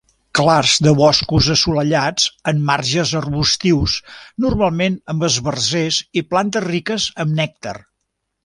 Clars de boscos assolellats amb marges arbustius, normalment amb esbarzers i plantes riques amb nèctar.